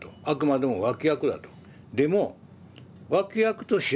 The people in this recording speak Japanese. あくまでも脇役だと。